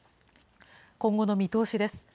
今後の見通しです。